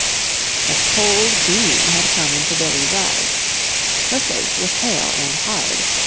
A cold gleam had come into Billie's eyes. Her face was pale and hard.